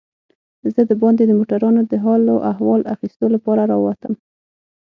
زه دباندې د موټرانو د حال و احوال اخیستو لپاره راووتم.